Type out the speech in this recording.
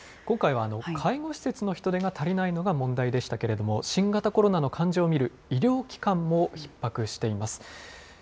今回は介護施設の人手が足りないのが問題でしたけれども、新型コロナの患者を診る医療機関もひっ迫しています。